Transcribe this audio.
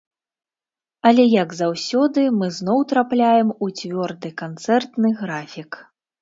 Але як заўсёды, мы зноў трапляем у цвёрды канцэртны графік.